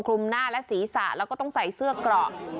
คลุมหน้าและศีรษะแล้วก็ต้องใส่เสื้อเกราะ